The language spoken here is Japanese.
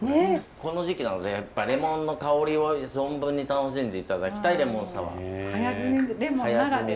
この時期なのでやっぱレモンの香りを存分に楽しんでいただきたいレモンサワー。